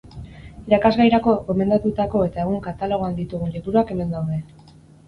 Irakasgairako gomendatutako eta egun katalogoan ditugun liburuak hemen daude.